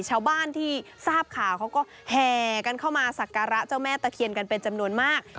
ชาวบ้านที่ทราบข่าวเขาก็แห่กันเข้ามาสักการะเจ้าแม่ตะเคียนกันเป็นจำนวนมาก